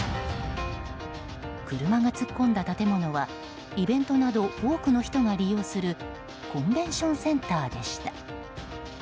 車が突っ込んだ建物はイベントなど多くの人が利用するコンベンションセンターでした。